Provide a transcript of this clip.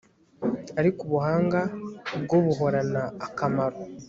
ariko ubuhanga bwo buhorana akamaro